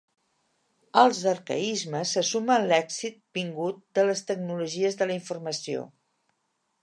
Als arcaismes se suma el lèxic vingut de les tecnologies de la informació.